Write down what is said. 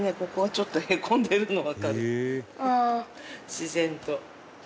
自然と。